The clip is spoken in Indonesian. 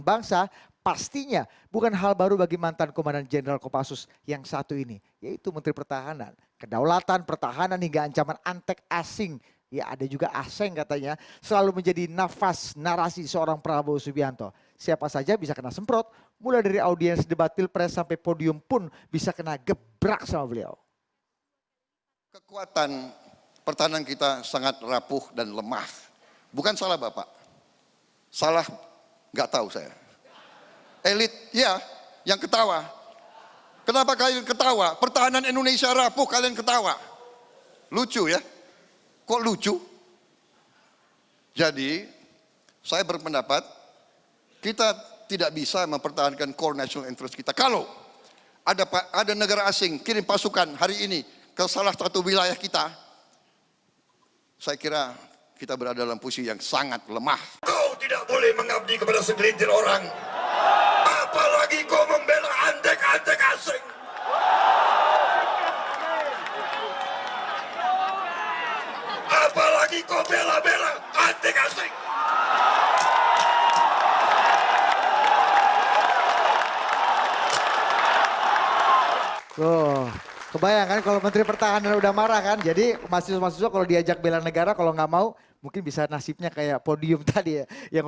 bangsa pastinya bukan hal hal yang terjadi di negara kita tapi hal hal yang terjadi di negara kita